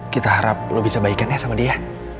kita harap lo bisa baikan ya sama dia